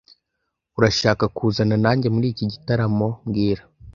Urashaka kuzana nanjye muri iki gitaramo mbwira